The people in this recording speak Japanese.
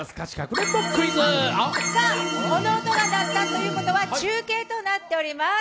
この音が鳴ったということは中継になっております。